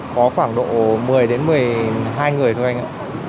có khoảng độ một mươi đến một mươi hai người thôi anh ạ